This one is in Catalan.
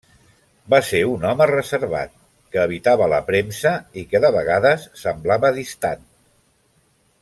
Va ser un home reservat, que evitava la premsa i que de vegades semblava distant.